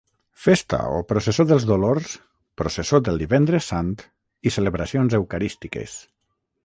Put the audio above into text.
Festa o Processó dels Dolors, Processó del Divendres Sant i celebracions eucarístiques.